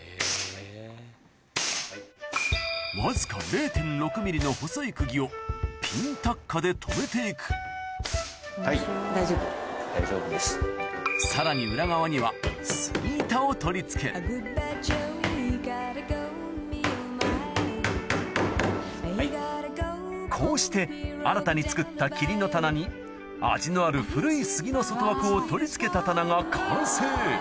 わずか０．６ｍｍの細い釘をピンタッカで留めていくさらにこうして新たに作った桐の棚に味のある古い杉の外枠を取り付けた棚が完成